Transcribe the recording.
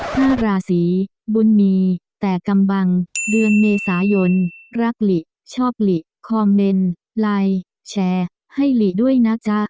ห้าราศีบุญมีแต่กำบังเดือนเมษายนรักหลิชอบหลีคอมเมนต์ไลน์แชร์ให้หลีด้วยนะจ๊ะ